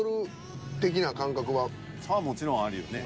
もちろんあるよね。